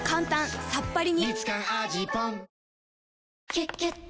「キュキュット」